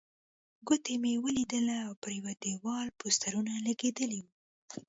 کوټې مې ولیدلې او پر یوه دېوال پوسټرونه لګېدلي وو.